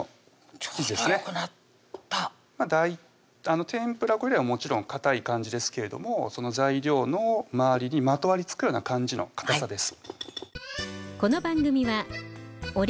ちょうどよくなった天ぷら粉よりはもちろんかたい感じですけれどもその材料の周りにまとわりつくような感じのかたさです